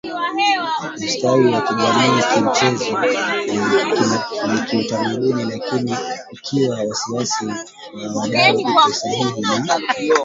ustawi wa jamii kimichezo na kiutamaduni Lakini ikiwa wasiwasi wa wadau uko sahihi na